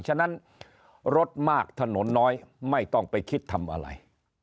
ฉะนั้นรถมากถนนน้อยไม่ต้องไปคิดทำอะไร